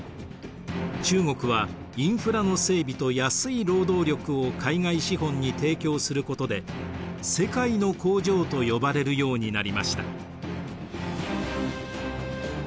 中国はインフラの整備と安い労働力を海外資本に提供することで「世界の工場」と呼ばれるようになりました。